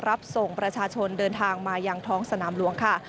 รับส่งประชาชนเดินทางมายังท้องสนามหลวงค่ะ